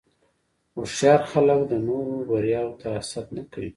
هوښیار خلک د نورو بریاوو ته حسد نه کوي.